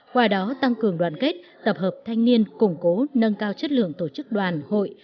qua đó tăng cường đoàn kết tập hợp thanh niên củng cố nâng cao chất lượng tổ chức đoàn hội